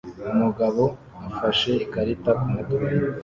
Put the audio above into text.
Umugabo afashe ikarita kumutwe